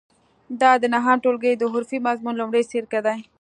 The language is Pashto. دا د نهم ټولګي د حرفې مضمون لومړی څپرکی دی.